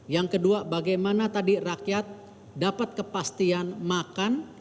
yang kedua bagaimana tadi rakyat dapat kepastian makan